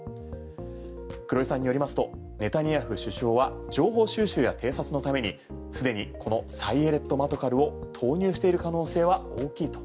黒井さんによりますとネタニヤフ首相は情報収集や偵察のために既にこのサイェレット・マトカルを投入している可能性は大きいと。